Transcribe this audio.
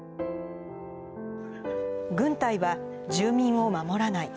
軍隊は住民を守らない。